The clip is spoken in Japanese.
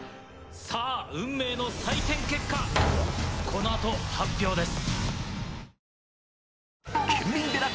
さぁ運命の採点結果この後発表です。